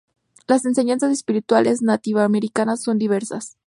Las enseñanzas espirituales nativo-americanas son diversas.